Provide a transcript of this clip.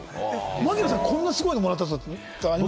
槙野さん、こんなすごいのもらったっていうのあります？